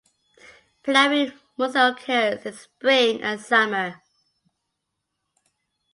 Flowering mostly occurs in spring and summer.